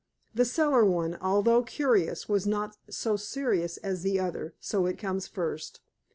The cellar one, although curious, was not so serious as the other, so it comes first.